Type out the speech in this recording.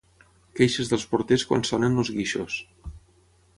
Queixes dels porters quan sonen els guixos.